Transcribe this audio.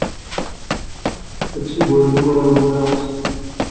Ad d-ssigren i warraw n warraw-nsen.